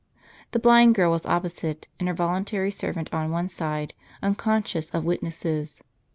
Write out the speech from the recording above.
The blind girl was opposite, and her voluntary servant on one side, unconscious of witnesses.